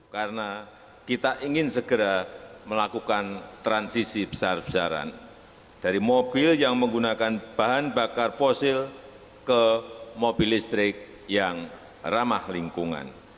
karena kita ingin segera melakukan transisi besar besaran dari mobil yang menggunakan bahan bakar fosil ke mobil listrik yang ramah lingkungan